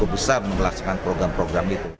sangat besar untuk melaksanakan program program itu